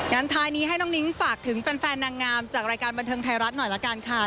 ท้ายนี้ให้น้องนิ้งฝากถึงแฟนนางงามจากรายการบันเทิงไทยรัฐหน่อยละกันค่ะ